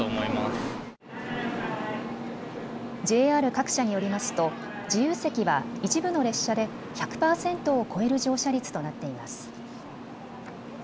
ＪＲ各社によりますと自由席は一部の列車で１００％を超える乗車率となっています。